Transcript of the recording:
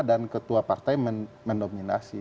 dan ketua partai mendominasi